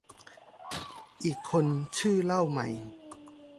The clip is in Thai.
อีกคนชื่อเล่าใหม่